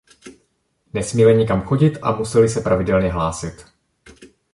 Nesměli nikam chodit a museli se pravidelně hlásit.